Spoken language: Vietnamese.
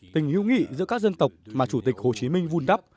tình hữu nghị giữa các dân tộc mà chủ tịch hồ chí minh vun đắp